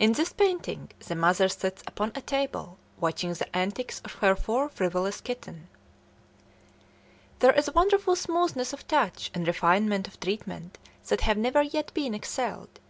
In this painting the mother sits upon a table watching the antics of her four frivolous kittens. There is a wonderful smoothness of touch and refinement of treatment that have never yet been excelled.